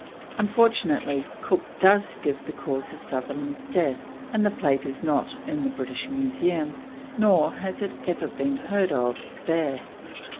Unfortunately, Cook does give the cause of Sutherland's death, and the plate is not in the British Museum, nor has it ever been heard of there.